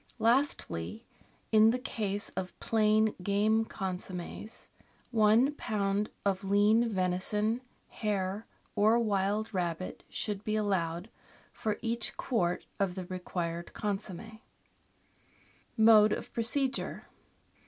Lastly, in the case of plain game consommes, one lb. of lean venison, hare, or wild rabbit should be allowed for each quart of the required consomm6. Mode of Procedure.